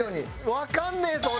わかんねえぞ俺。